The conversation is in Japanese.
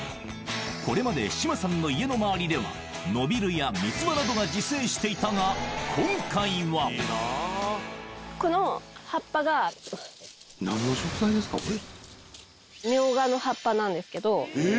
これまで志麻さんの家の周りではノビルや三つ葉などが自生していたが今回はこれ。